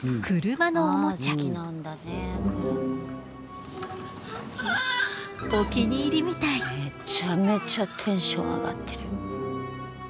めちゃめちゃテンション上がってる。